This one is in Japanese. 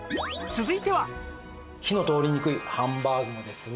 火の通りにくいハンバーグもですね